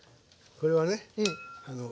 これはね